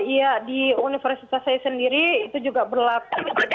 iya di universitas saya sendiri itu juga berlaku